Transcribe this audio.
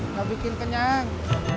nggak bikin kenyang